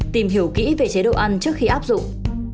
tìm hiểu kỹ về chế độ ăn trước khi áp dụng